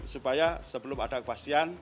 supaya sebelum ada